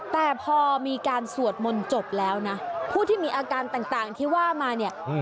แต่พอมีการสวดมนต์จบแล้วนะผู้ที่มีอาการต่างที่ว่ามาเนี่ย